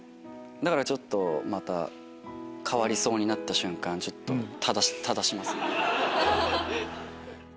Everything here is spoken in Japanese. だからちょっとまた変わりそうになった瞬間正しますね。